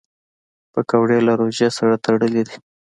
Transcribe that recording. پکورې له روژې سره تړلي دي